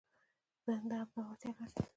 ذهن د ابداع وړتیا لري.